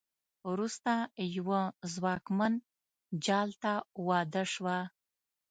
وروسته یوه ځواکمن جال ته واده شوه.